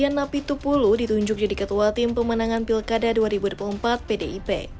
ya napi tupulu ditunjuk jadi ketua tim pemenangan pilkada dua ribu dua puluh empat pdip